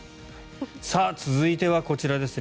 続いてはこちらです。